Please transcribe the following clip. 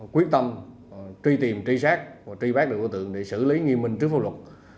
quyết tâm truy tìm truy sát và truy bắt được đối tượng để xử lý nghiêm minh trước pháp luật